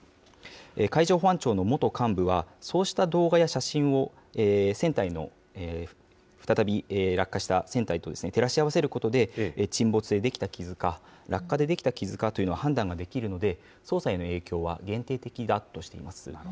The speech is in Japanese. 海上保安庁の元幹部は、そうした動画や写真を再び落下した船体と照らし合わせることで、沈没で出来た傷か、落下で出来た傷かというのは判断ができるので、捜査への影響は限定的だとしています。